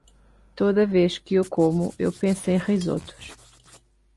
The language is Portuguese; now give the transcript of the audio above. Toda vez que eu como eu penso em risotos.